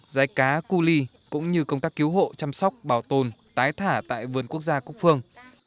rái cá cu ly cũng như công tác cứu hộ chăm sóc bảo tồn tái thả tại vườn quốc gia cúc phương